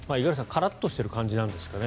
カラッとしてる感じですかね？